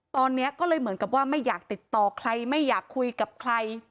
ตอนนี้ก็เลยเหมือนกับว่าไม่อยากติดต่อใครไม่อยากคุยกับใคร